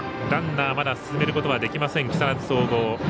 ランナーまだ進めることはできません木更津総合。